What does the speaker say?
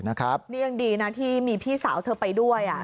นี่ยังดีนะที่มีพี่สาวเธอไปด้วย